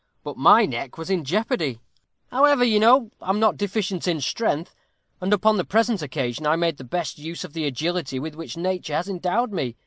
But my neck was in jeopardy. However, you know I am not deficient in strength, and, upon the present occasion, I made the best use of the agility with which nature has endowed me.